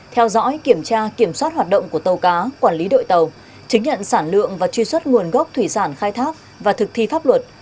theo dõi kiểm tra kiểm soát hoạt động của tàu cá quản lý đội tàu chứng nhận sản lượng và truy xuất nguồn gốc thủy sản khai thác và thực thi pháp luật